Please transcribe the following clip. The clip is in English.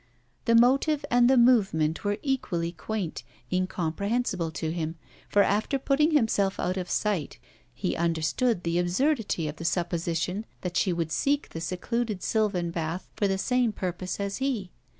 The motive and the movement were equally quaint; incomprehensible to him; for after putting himself out of sight, he understood the absurdity of the supposition that she would seek the secluded sylvan bath for the same purpose as he.